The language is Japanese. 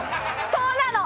そうなの！